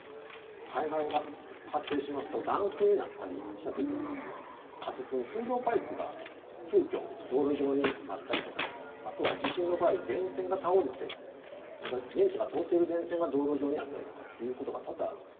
災害が発生しますと断水になったりした時に仮設の水道パイプが急きょ道路上にあったりとかあとは地震の場合電線が倒れて電気が通ってる電線が道路上にあったりとかっていうことが多々あるんです。